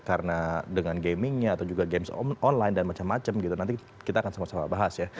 karena dengan gamingnya atau juga games online dan macam macam gitu nanti kita akan sama sama bahas ya